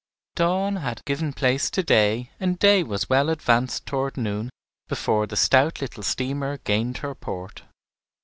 Dawn had given place to day, and day was well advanced toward noon, before the stout little steamer gained her port.